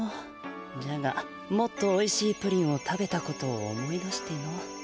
じゃがもっとおいしいプリンを食べたことを思い出しての。